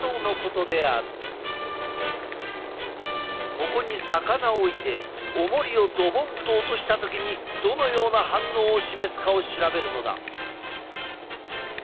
ここに魚を入れおもりをドボンと落とした時にどのような反応を示すかを調べるのだ。